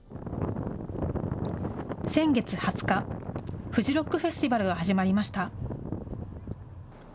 先月２０日、フジロックフェスティバルが始まりました。